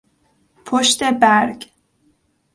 پشت برگ